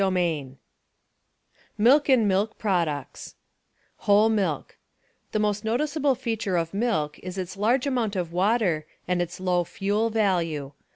11 Milk and MUk Products Whole Milk — The most noticeable feature of milk is its large amount of water and its low fuel value.